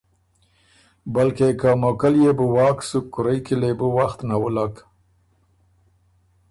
بلکې که موقعه ليې بو واک سُک کُورئ کی لې بو وخت نوُلّک۔